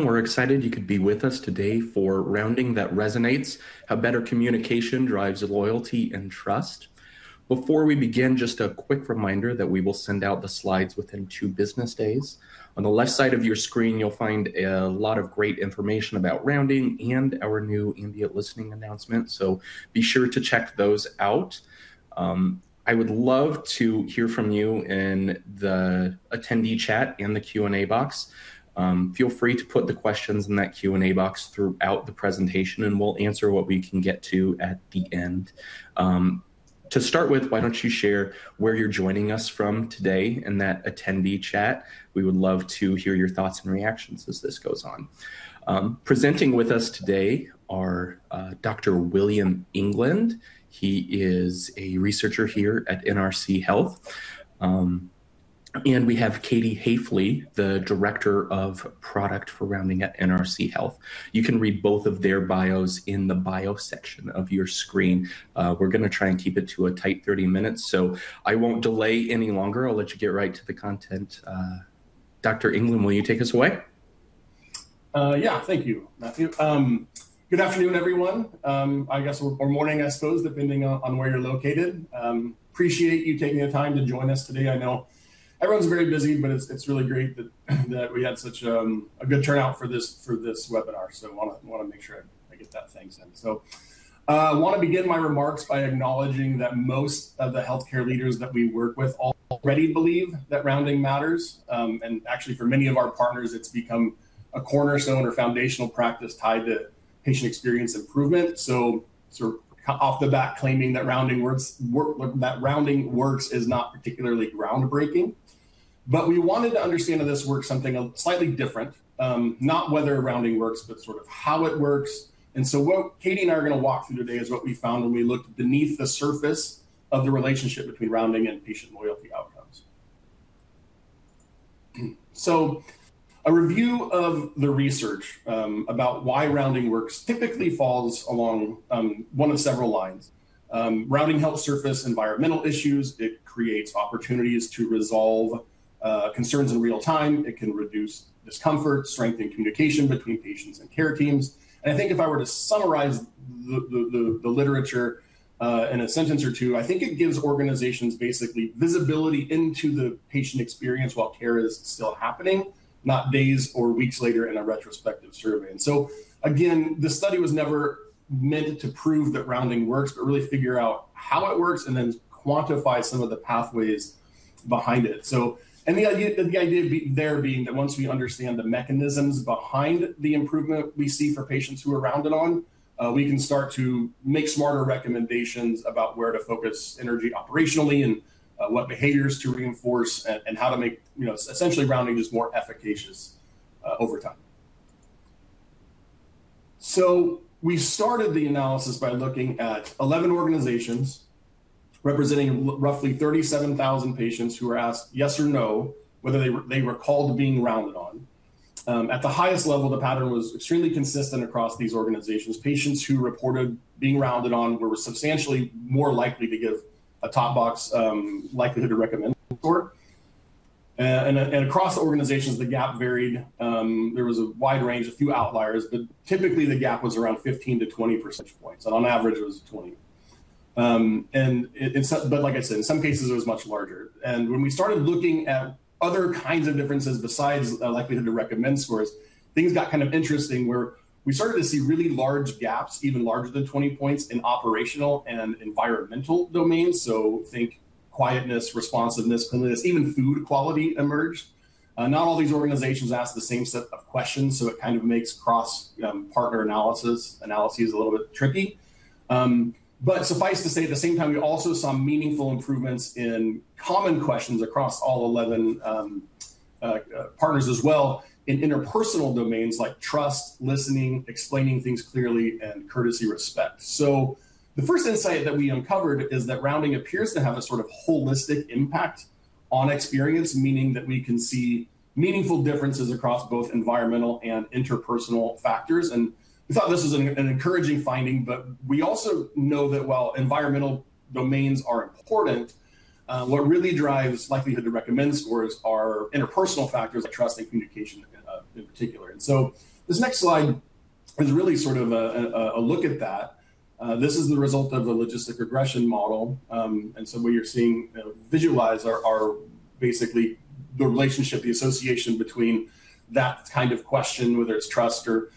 We're excited you could be with us today for Rounding that Resonates: How Better Communication Drives Loyalty and Trust. Before we begin, just a quick reminder that we will send out the slides within two business days. On the left side of your screen, you'll find a lot of great information about rounding and our new ambient listening announcement. Be sure to check those out. I would love to hear from you in the attendee chat in the Q&A box. Feel free to put the questions in that Q&A box throughout the presentation, and we'll answer what we can get to at the end. To start with, why don't you share where you're joining us from today in that attendee chat? We would love to hear your thoughts and reactions as this goes on. Presenting with us today are Dr. William England. He is a researcher here at NRC Health. We have Katie Haifley, the Director of Product for Rounding at NRC Health. You can read both of their bios in the bio section of your screen. We're going to try and keep it to a tight 30 minutes, so I won't delay any longer. I'll let you get right to the content. Dr. England, will you take us away? Yeah. Thank you, Matthew. Good afternoon, everyone. Or morning, I suppose, depending on where you're located. Appreciate you taking the time to join us today. I know everyone's very busy, but it's really great that we had such a good turnout for this webinar. Want to make sure I get that thanks in. I want to begin my remarks by acknowledging that most of the healthcare leaders that we work with already believe that rounding matters. Actually, for many of our partners, it's become a cornerstone or foundational practice tied to patient experience improvement. Sort of off the bat, claiming that rounding works is not particularly groundbreaking. We wanted to understand how this works, something slightly different. Not whether rounding works, but sort of how it works. What Katie and I are going to walk through today is what we found when we looked beneath the surface of the relationship between rounding and patient loyalty outcomes. A review of the research about why rounding works typically falls along one of several lines. Rounding helps surface environmental issues. It creates opportunities to resolve concerns in real time. It can reduce discomfort, strengthen communication between patients and care teams. I think if I were to summarize the literature in a sentence or two, I think it gives organizations basically visibility into the patient experience while care is still happening, not days or weeks later in a retrospective survey. Again, this study was never meant to prove that rounding works, but really figure out how it works and then quantify some of the pathways behind it. The idea there being that once we understand the mechanisms behind the improvement we see for patients who are rounded on, we can start to make smarter recommendations about where to focus energy operationally and what behaviors to reinforce and how to make essentially rounding just more efficacious over time. We started the analysis by looking at 11 organizations representing roughly 37,000 patients who were asked yes or no, whether they recalled being rounded on. At the highest level, the pattern was extremely consistent across these organizations. Patients who reported being rounded on were substantially more likely to give a top box likelihood to recommend score. Across the organizations, the gap varied. There was a wide range, a few outliers, but typically the gap was around 15 to 20 percentage points, and on average it was 20. Like I said, in some cases, it was much larger. When we started looking at other kinds of differences besides likelihood to recommend scores, things got kind of interesting, where we started to see really large gaps, even larger than 20 points in operational and environmental domains. Think quietness, responsiveness, cleanliness, even food quality emerged. Not all these organizations asked the same set of questions, it kind of makes cross-partner analyses a little bit tricky. Suffice to say, at the same time, we also saw meaningful improvements in common questions across all 11 partners as well in interpersonal domains like trust, listening, explaining things clearly, and courtesy, respect. The first insight that we uncovered is that rounding appears to have a sort of holistic impact on experience, meaning that we can see meaningful differences across both environmental and interpersonal factors. We thought this was an encouraging finding, but we also know that while environmental domains are important, what really drives likelihood to recommend scores are interpersonal factors like trust and communication in particular. This next slide is really sort of a look at that. This is the result of the logistic regression model. What you're seeing visualized are basically the relationship, the association between that kind of question, whether it's trust or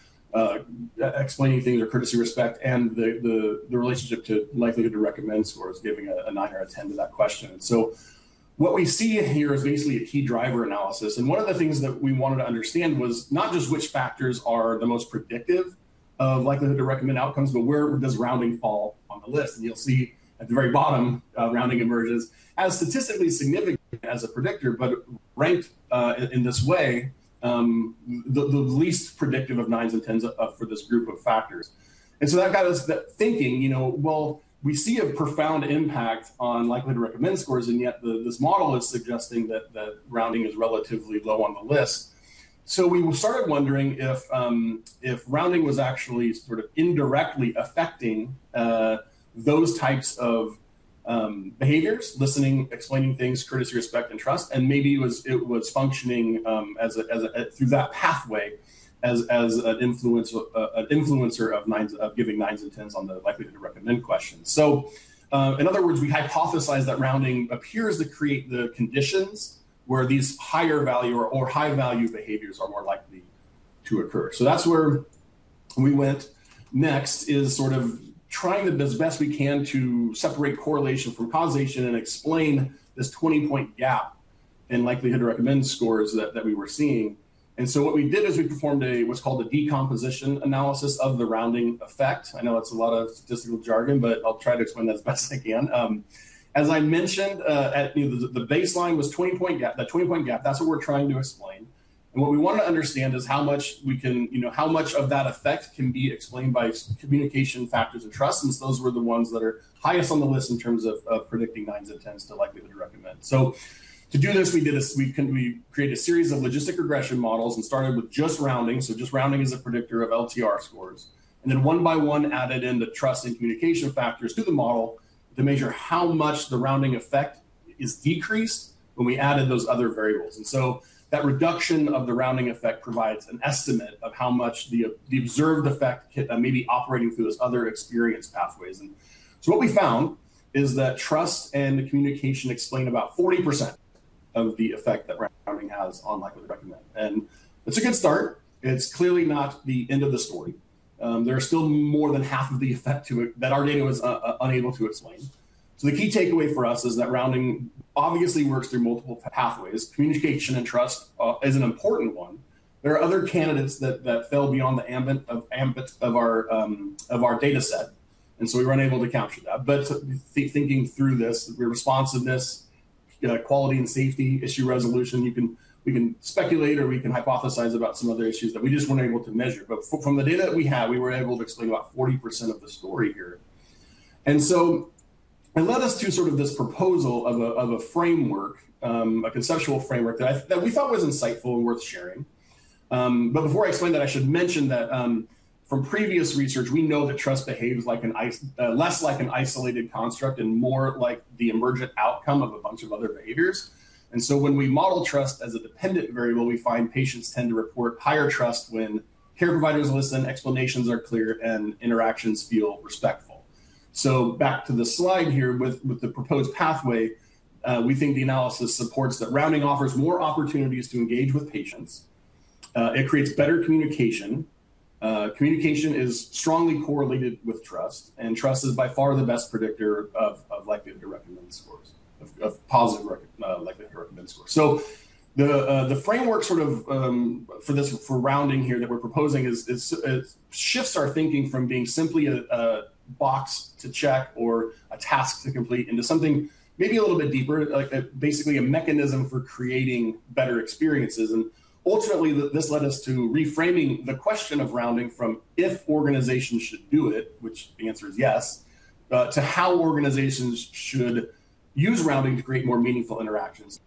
explaining things or courtesy, respect, and the relationship to likelihood to recommend scores giving a nine or a 10 to that question. What we see here is basically a key driver analysis, and one of the things that we wanted to understand was not just which factors are the most predictive of likelihood to recommend outcomes, but where does rounding fall on the list? You'll see at the very bottom, rounding emerges as statistically significant as a predictor. Ranked in this way, the least predictive of 9s and 10s for this group of factors. That got us thinking, well, we see a profound impact on likelihood to recommend scores, and yet this model is suggesting that rounding is relatively low on the list. We started wondering if rounding was actually indirectly affecting those types of behaviors, listening, explaining things, courtesy, respect, and trust, and maybe it was functioning through that pathway as an influencer of giving 9s and 10s on the likelihood to recommend question. In other words, we hypothesized that rounding appears to create the conditions where these higher value or high-value behaviors are more likely to occur. That's where we went next, is trying as best we can to separate correlation from causation and explain this 20-point gap in likelihood to recommend scores that we were seeing. What we did is we performed what's called a decomposition analysis of the rounding effect. I know that's a lot of statistical jargon, but I'll try to explain that as best I can. As I mentioned, the baseline was that 20-point gap. That's what we're trying to explain. What we want to understand is how much of that effect can be explained by communication factors and trust, since those were the ones that are highest on the list in terms of predicting nines and tens to likelihood to recommend. To do this, we created a series of logistic regression models and started with just rounding, so just rounding as a predictor of LTR scores. One by one, added in the trust and communication factors to the model to measure how much the rounding effect is decreased when we added those other variables. That reduction of the rounding effect provides an estimate of how much the observed effect may be operating through those other experience pathways. What we found is that trust and communication explain about 40% of the effect that rounding has on likelihood to recommend. It's a good start. It's clearly not the end of the story. There are still more than half of the effect to it that our data was unable to explain. The key takeaway for us is that rounding obviously works through multiple pathways. Communication and trust is an important one. There are other candidates that fell beyond the ambit of our data set. We were unable to capture that. Thinking through this, your responsiveness, quality and safety, issue resolution, we can speculate, or we can hypothesize about some other issues that we just weren't able to measure. From the data that we had, we were able to explain about 40% of the story here. It led us to this proposal of a conceptual framework that we thought was insightful and worth sharing. Before I explain that, I should mention that from previous research, we know that trust behaves less like an isolated construct and more like the emergent outcome of a bunch of other behaviors. When we model trust as a dependent variable, we find patients tend to report higher trust when care providers listen, explanations are clear, and interactions feel respectful. Back to the slide here with the proposed pathway. We think the analysis supports that rounding offers more opportunities to engage with patients. It creates better communication. Communication is strongly correlated with trust, and trust is by far the best predictor of positive likelihood to recommend scores. The framework for rounding here that we're proposing shifts our thinking from being simply a box to check or a task to complete into something maybe a little bit deeper, like basically a mechanism for creating better experiences. Ultimately, this led us to reframing the question of rounding from if organizations should do it, which the answer is yes, to how organizations should use rounding to create more meaningful interactions.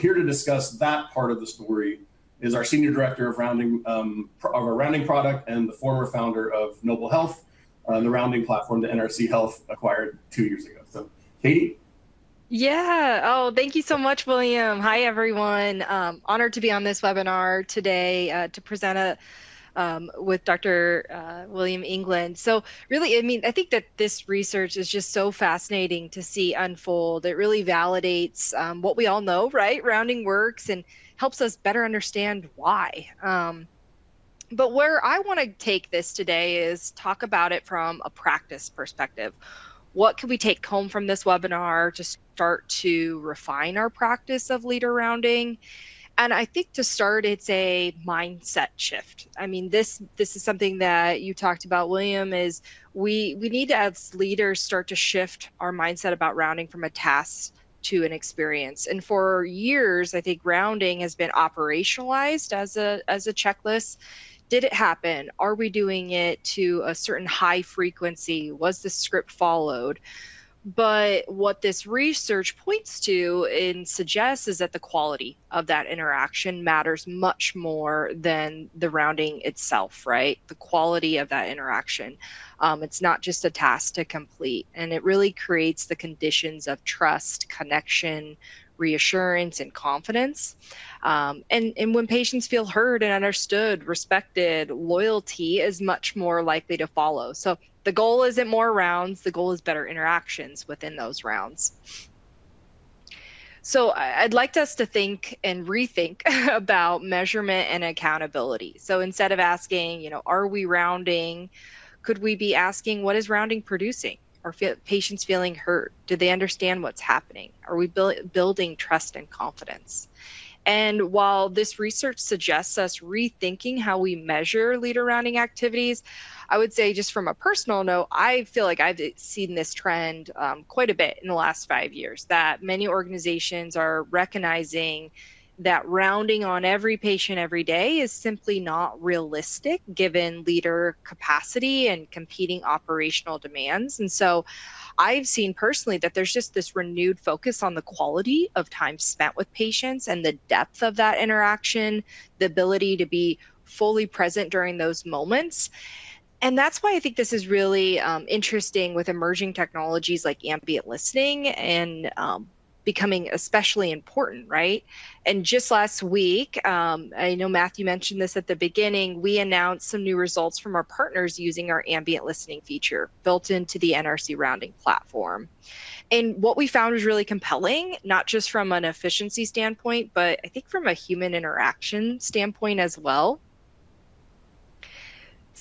Here to discuss that part of the story is our senior director of our rounding product and the former founder of Nobl, the rounding platform that NRC Health acquired two years ago. Katie? Yeah. Oh, thank you so much, William. Hi, everyone. Honored to be on this webinar today to present with Dr. William England. Really, I think that this research is just so fascinating to see unfold. It really validates what we all know, right? Rounding works and helps us better understand why. Where I want to take this today is talk about it from a practice perspective. What can we take home from this webinar to start to refine our practice of leader rounding? I think to start, it's a mindset shift. This is something that you talked about, William, is we need to, as leaders, start to shift our mindset about rounding from a task to an experience. For years, I think rounding has been operationalized as a checklist. Did it happen? Are we doing it to a certain high frequency? Was the script followed? What this research points to and suggests is that the quality of that interaction matters much more than the rounding itself, right? The quality of that interaction. It's not just a task to complete, and it really creates the conditions of trust, connection, reassurance, and confidence. When patients feel heard and understood, respected, loyalty is much more likely to follow. The goal isn't more rounds. The goal is better interactions within those rounds. I'd like us to think and rethink about measurement and accountability. Instead of asking, "Are we rounding?" Could we be asking, "What is rounding producing?" Are patients feeling heard? Do they understand what's happening? Are we building trust and confidence? While this research suggests us rethinking how we measure leader rounding activities, I would say, just from a personal note, I feel like I've seen this trend quite a bit in the last five years, that many organizations are recognizing that rounding on every patient every day is simply not realistic given leader capacity and competing operational demands. I've seen personally that there's just this renewed focus on the quality of time spent with patients and the depth of that interaction, the ability to be fully present during those moments. That's why I think this is really interesting with emerging technologies like ambient listening and becoming especially important, right? Just last week, I know Matthew mentioned this at the beginning, we announced some new results from our partners using our ambient listening feature built into the NRC rounding platform. What we found was really compelling, not just from an efficiency standpoint, but I think from a human interaction standpoint as well.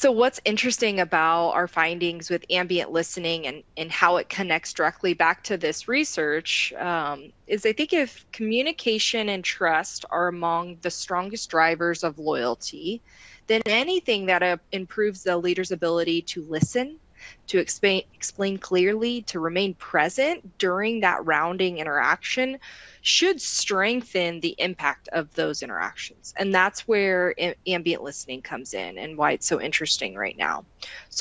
What's interesting about our findings with ambient listening and how it connects directly back to this research is I think if communication and trust are among the strongest drivers of loyalty, then anything that improves the leader's ability to listen, to explain clearly, to remain present during that rounding interaction should strengthen the impact of those interactions. That's where ambient listening comes in and why it's so interesting right now.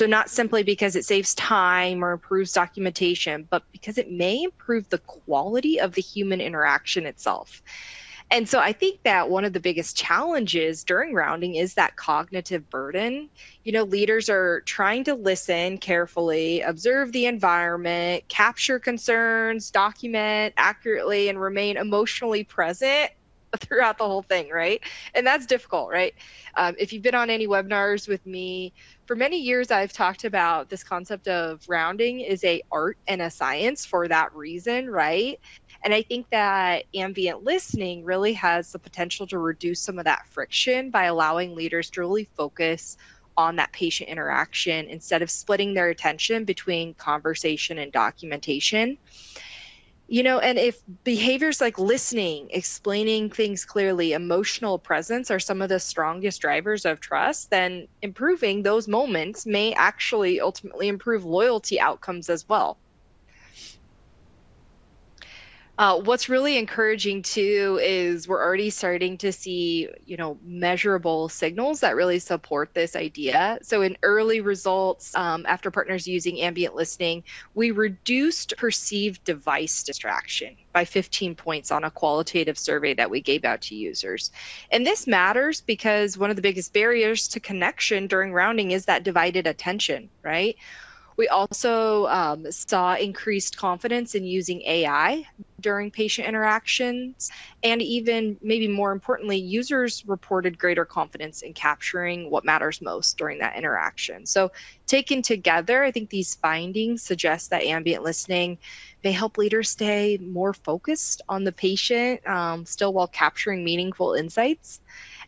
Not simply because it saves time or improves documentation, but because it may improve the quality of the human interaction itself. I think that one of the biggest challenges during rounding is that cognitive burden. Leaders are trying to listen carefully, observe the environment, capture concerns, document accurately, and remain emotionally present throughout the whole thing, right? That's difficult, right? If you've been on any webinars with me, for many years, I've talked about this concept of rounding is a art and a science for that reason, right? I think that ambient listening really has the potential to reduce some of that friction by allowing leaders to really focus on that patient interaction instead of splitting their attention between conversation and documentation. If behaviors like listening, explaining things clearly, emotional presence are some of the strongest drivers of trust, then improving those moments may actually ultimately improve loyalty outcomes as well. What's really encouraging, too, is we're already starting to see measurable signals that really support this idea. In early results, after partners using ambient listening, we reduced perceived device distraction by 15 points on a qualitative survey that we gave out to users. This matters because one of the biggest barriers to connection during rounding is that divided attention, right? We also saw increased confidence in using AI during patient interactions, and even maybe more importantly, users reported greater confidence in capturing what matters most during that interaction. Taken together, I think these findings suggest that ambient listening may help leaders stay more focused on the patient, still while capturing meaningful insights.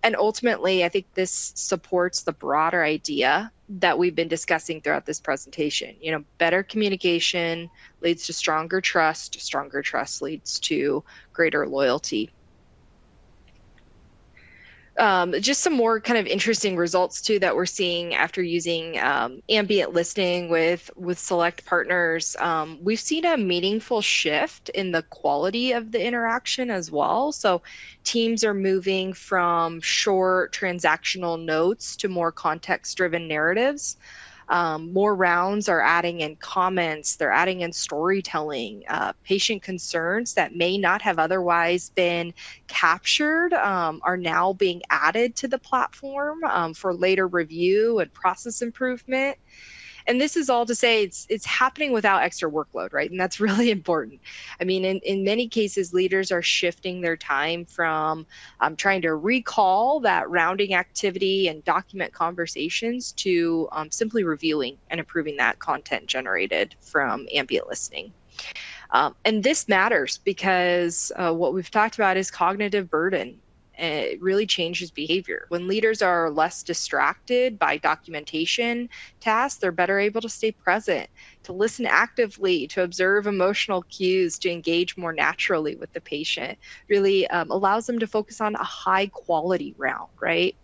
Ultimately, I think this supports the broader idea that we've been discussing throughout this presentation. Better communication leads to stronger trust. Stronger trust leads to greater loyalty. Just some more kind of interesting results, too, that we're seeing after using ambient listening with select partners. We've seen a meaningful shift in the quality of the interaction as well. Teams are moving from short, transactional notes to more context-driven narratives. More rounds are adding in comments. They're adding in storytelling. Patient concerns that may not have otherwise been captured are now being added to the platform for later review and process improvement. This is all to say it's happening without extra workload, right? That's really important. In many cases, leaders are shifting their time from trying to recall that rounding activity and document conversations to simply reviewing and approving that content generated from ambient listening. This matters because what we've talked about is cognitive burden. It really changes behavior. When leaders are less distracted by documentation tasks, they're better able to stay present, to listen actively, to observe emotional cues, to engage more naturally with the patient. Really allows them to focus on a high-quality round, right?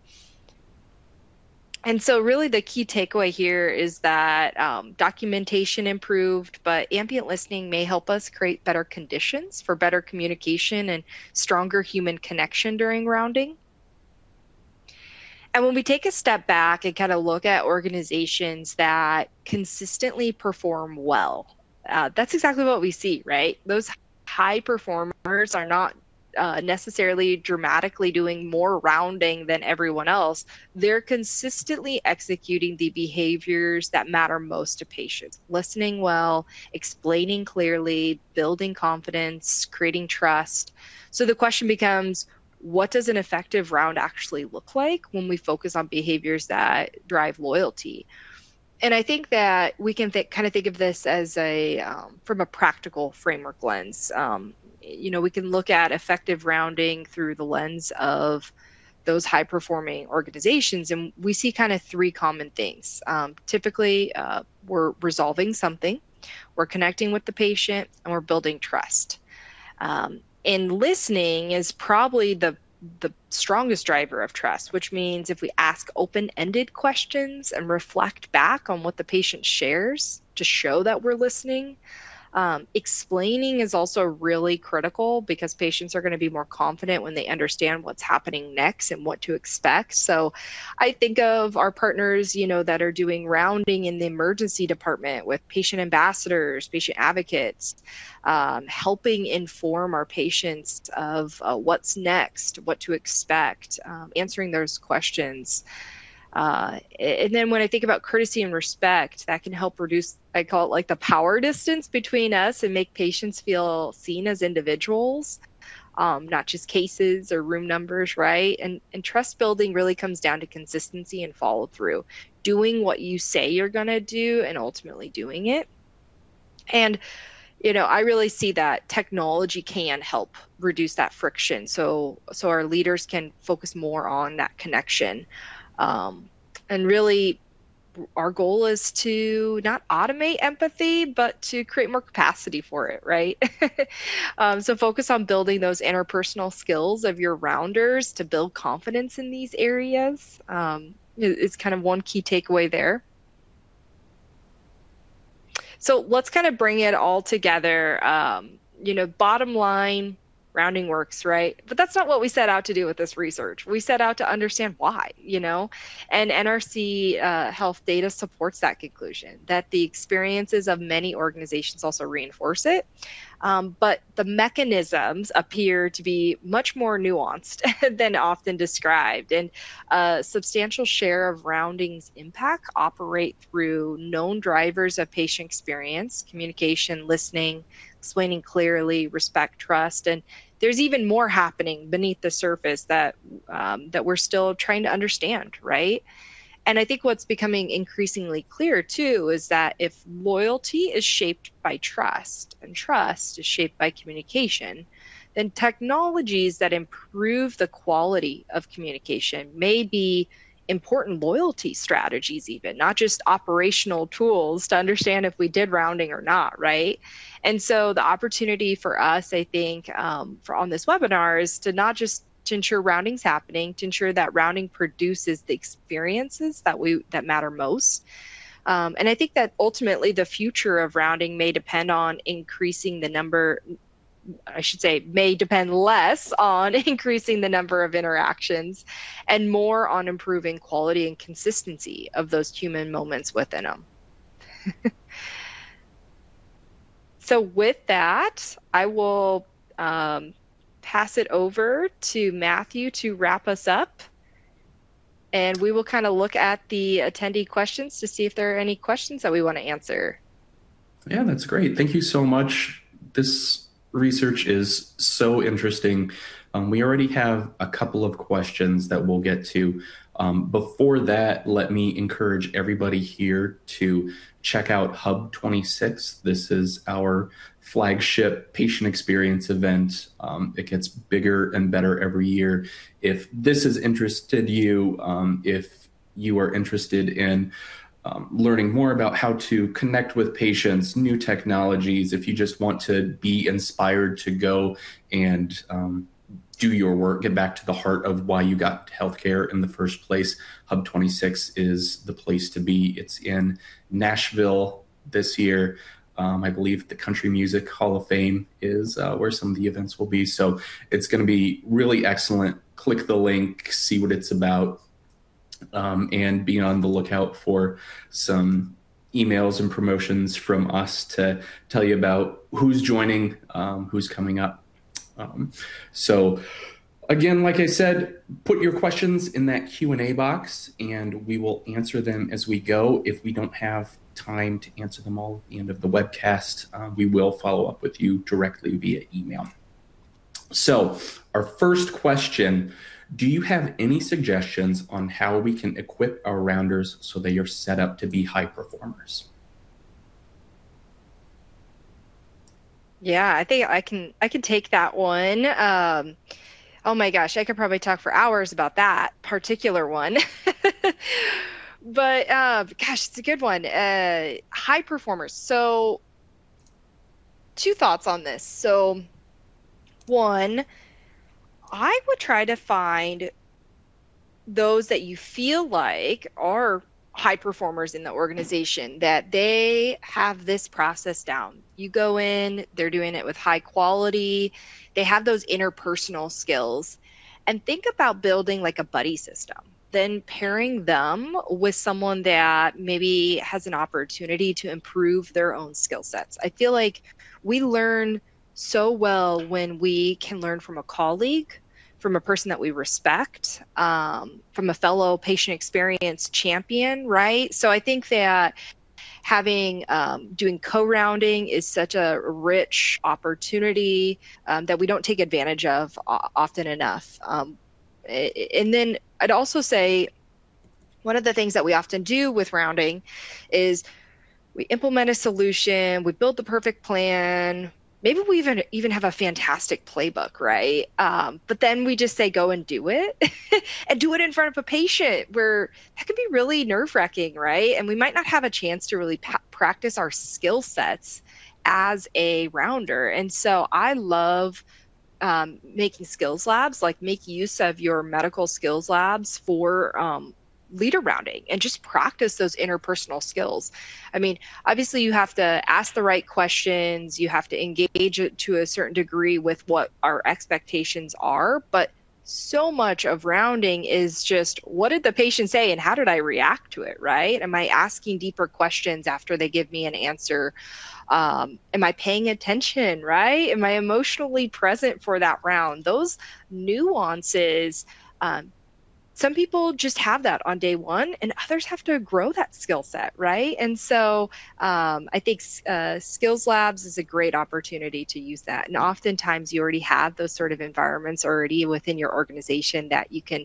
Really the key takeaway here is that documentation improved, but ambient listening may help us create better conditions for better communication and stronger human connection during rounding. When we take a step back and kind of look at organizations that consistently perform well, that's exactly what we see, right? Those high performers are not necessarily dramatically doing more rounding than everyone else. They're consistently executing the behaviors that matter most to patients. Listening well, explaining clearly, building confidence, creating trust. The question becomes: What does an effective round actually look like when we focus on behaviors that drive loyalty? I think that we can kind of think of this from a practical framework lens. We can look at effective rounding through the lens of those high-performing organizations, and we see kind of three common things. Typically, we're resolving something, we're connecting with the patient, we're building trust. Listening is probably the strongest driver of trust, which means if we ask open-ended questions and reflect back on what the patient shares to show that we're listening. Explaining is also really critical because patients are going to be more confident when they understand what's happening next and what to expect. I think of our partners that are doing rounding in the emergency department with patient ambassadors, patient advocates, helping inform our patients of what's next, what to expect, answering those questions. When I think about courtesy and respect, that can help reduce, I call it, the power distance between us and make patients feel seen as individuals, not just cases or room numbers, right? Trust building really comes down to consistency and follow-through. Doing what you say you're going to do and ultimately doing it. I really see that technology can help reduce that friction so our leaders can focus more on that connection. Really, our goal is to not automate empathy, but to create more capacity for it, right? Focus on building those interpersonal skills of your rounders to build confidence in these areas, is one key takeaway there. Let's bring it all together. Bottom line, rounding works, right? That's not what we set out to do with this research. We set out to understand why. NRC Health data supports that conclusion, that the experiences of many organizations also reinforce it. The mechanisms appear to be much more nuanced than often described. A substantial share of rounding's impact operate through known drivers of patient experience, communication, listening, explaining clearly, respect, trust. There's even more happening beneath the surface that we're still trying to understand. Right? I think what's becoming increasingly clear, too, is that if loyalty is shaped by trust, and trust is shaped by communication, then technologies that improve the quality of communication may be important loyalty strategies even, not just operational tools to understand if we did rounding or not. Right? So the opportunity for us, I think, for on this webinar is to not just to ensure rounding's happening, to ensure that rounding produces the experiences that matter most. I think that ultimately the future of rounding may depend less on increasing the number of interactions and more on improving quality and consistency of those human moments within them. With that, I will pass it over to Matthew to wrap us up, and we will look at the attendee questions to see if there are any questions that we want to answer. Yeah, that's great. Thank you so much. This research is so interesting. We already have a couple of questions that we'll get to. Before that, let me encourage everybody here to check out HUB26. This is our flagship patient experience event. It gets bigger and better every year. If this has interested you, if you are interested in learning more about how to connect with patients, new technologies, if you just want to be inspired to go and do your work, get back to the heart of why you got healthcare in the first place, HUB26 is the place to be. It's in Nashville this year. I believe the Country Music Hall of Fame is where some of the events will be. It's going to be really excellent. Click the link, see what it's about, and be on the lookout for some emails and promotions from us to tell you about who's joining, who's coming up. Again, like I said, put your questions in that Q&A box, and we will answer them as we go. If we don't have time to answer them all at the end of the webcast, we will follow up with you directly via email. Our first question, do you have any suggestions on how we can equip our rounders so they are set up to be high performers? Yeah, I think I can take that one. Oh my gosh, I could probably talk for hours about that particular one. Gosh, it's a good one. High performers. Two thoughts on this. One, I would try to find those that you feel like are high performers in the organization, that they have this process down. You go in, they're doing it with high quality. They have those interpersonal skills. Think about building a buddy system. Pairing them with someone that maybe has an opportunity to improve their own skill sets. I feel like we learn so well when we can learn from a colleague, from a person that we respect, from a fellow patient experience champion, right? I think that doing co-rounding is such a rich opportunity, that we don't take advantage of often enough. Then I'd also say one of the things that we often do with Rounding is we implement a solution. We build the perfect plan. Maybe we even have a fantastic playbook. Right? Then we just say, "Go and do it," and do it in front of a patient, where that can be really nerve-wracking, right? We might not have a chance to really practice our skill sets as a rounder. So I love making skills labs, make use of your medical skills labs for leader Rounding and just practice those interpersonal skills. Obviously, you have to ask the right questions. You have to engage it to a certain degree with what our expectations are, but so much of Rounding is just what did the patient say and how did I react to it, right? Am I asking deeper questions after they give me an answer? Am I paying attention, right? Am I emotionally present for that round? Those nuances, some people just have that on day one, and others have to grow that skill set, right? I think skills labs is a great opportunity to use that. Oftentimes you already have those sort of environments already within your organization that you can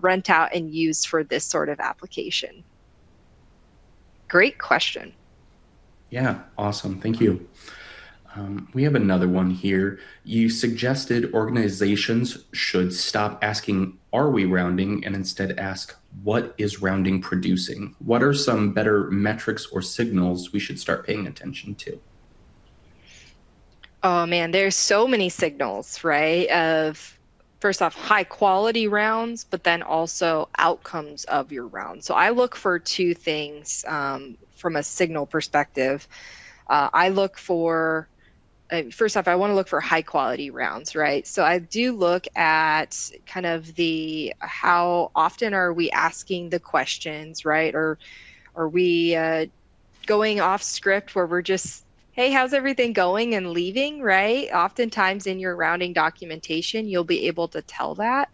rent out and use for this sort of application. Great question. Yeah. Awesome. Thank you. We have another one here. You suggested organizations should stop asking, "Are we rounding?" Instead ask, "What is rounding producing?" What are some better metrics or signals we should start paying attention to? Oh, man. There's so many signals, right, of, first off, high quality rounds, also outcomes of your rounds. I look for two things from a signal perspective. First off, I want to look for high quality rounds, right? I do look at how often are we asking the questions, right? Are we going off script where we're just, "Hey, how's everything going?" Leaving, right? Oftentimes in your rounding documentation, you'll be able to tell that.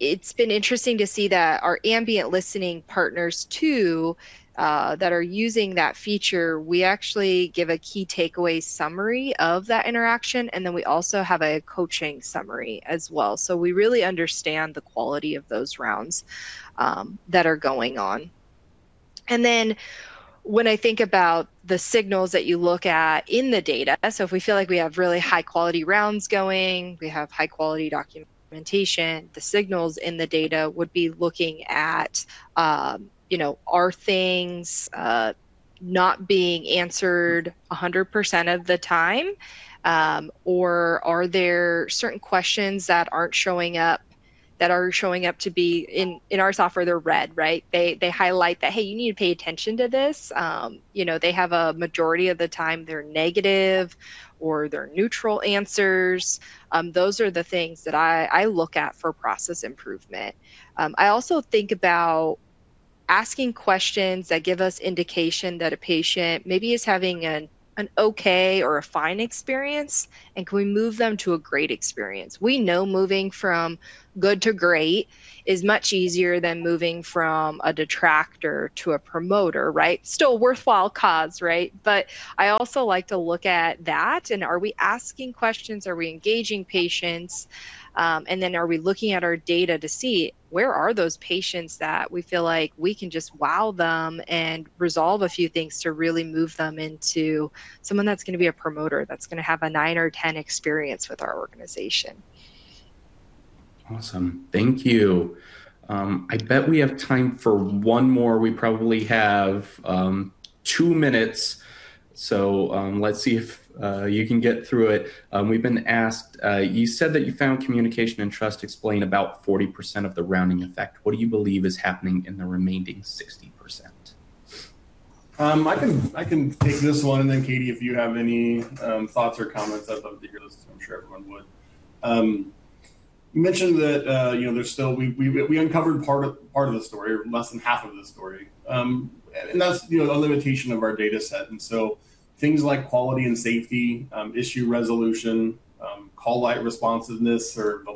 It's been interesting to see that our ambient listening partners too, that are using that feature, we actually give a key takeaway summary of that interaction, we also have a coaching summary as well. We really understand the quality of those rounds that are going on. When I think about the signals that you look at in the data, if we feel like we have really high quality rounds going, we have high quality documentation, the signals in the data would be looking at are things not being answered 100% of the time? Are there certain questions that are showing up to be, in our software they're red, right? They highlight that, "Hey, you need to pay attention to this." They have a majority of the time they're negative or they're neutral answers. Those are the things that I look at for process improvement. I also think about asking questions that give us indication that a patient maybe is having an okay or a fine experience, and can we move them to a great experience. We know moving from good to great is much easier than moving from a detractor to a promoter, right? Still a worthwhile cause, right? I also like to look at that and are we asking questions, are we engaging patients? Are we looking at our data to see where are those patients that we feel like we can just wow them and resolve a few things to really move them into someone that's going to be a promoter, that's going to have a 9 or 10 experience with our organization. Awesome. Thank you. I bet we have time for one more. We probably have two minutes, Let's see if you can get through it. We've been asked, you said that you found communication and trust explain about 40% of the rounding effect. What do you believe is happening in the remaining 60%? I can take this one, then Katie Haifley, if you have any thoughts or comments, I'd love to hear those. I'm sure everyone would. You mentioned that we uncovered part of the story, less than half of the story. That's a limitation of our data set, things like quality and safety, issue resolution, call light responsiveness, or the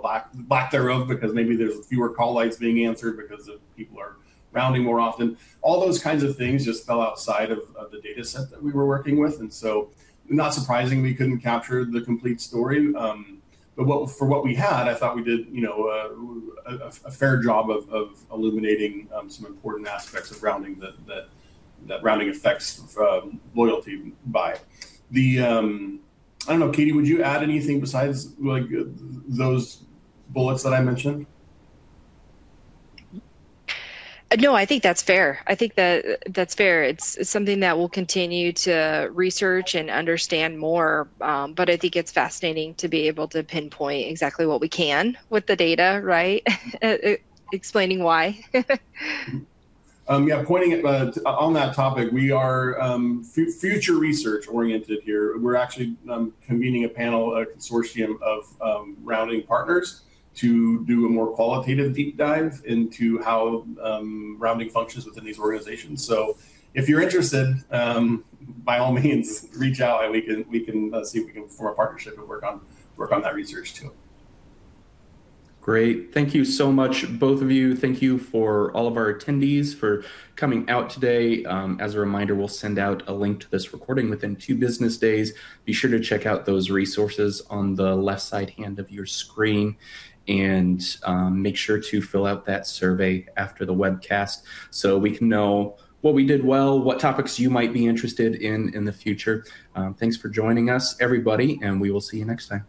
lack thereof because maybe there's fewer call lights being answered because people are rounding more often. All those kinds of things just fell outside of the data set that we were working with. Not surprisingly, we couldn't capture the complete story. For what we had, I thought we did a fair job of illuminating some important aspects of rounding, that rounding affects loyalty by. I don't know, Katie Haifley, would you add anything besides those bullets that I mentioned? No, I think that's fair. I think that's fair. It's something that we'll continue to research and understand more. I think it's fascinating to be able to pinpoint exactly what we can with the data, right? Explaining why. Yeah. On that topic, we are future research oriented here. We're actually convening a panel, a consortium of rounding partners to do a more qualitative deep dive into how rounding functions within these organizations. If you're interested, by all means reach out and we can see if we can form a partnership and work on that research too. Great. Thank you so much, both of you. Thank you for all of our attendees for coming out today. As a reminder, we will send out a link to this recording within two business days. Be sure to check out those resources on the left side hand of your screen, and make sure to fill out that survey after the webcast so we can know what we did well, what topics you might be interested in in the future. Thanks for joining us, everybody, and we will see you next time.